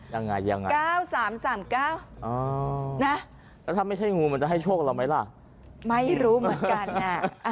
ยังไงยังไง๙๓๓๙นะแล้วถ้าไม่ใช่งูมันจะให้โชคเราไหมล่ะไม่รู้เหมือนกันน่ะ